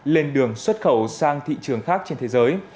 lên đường xuất khẩu sang thị trường khác trên thế giới